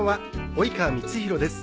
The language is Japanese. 及川光博です。